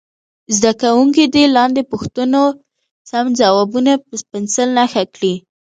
زده کوونکي دې د لاندې پوښتنو سم ځوابونه په پنسل نښه کړي.